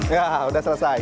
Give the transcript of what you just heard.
ya udah selesai